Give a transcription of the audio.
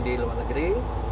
di luar negeri